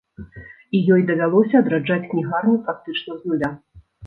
І ёй давялося адраджаць кнігарню практычна з нуля.